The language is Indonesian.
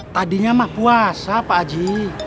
tadinya mah puasa pak haji